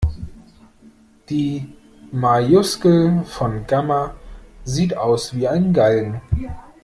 Die Majuskel von Gamma sieht aus wie ein Galgen.